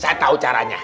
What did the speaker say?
saya tau caranya